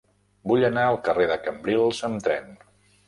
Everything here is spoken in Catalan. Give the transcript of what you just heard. Vull anar al carrer de Cambrils amb tren.